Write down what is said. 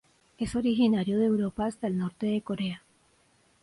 Es originario de Europa hasta el norte de Corea.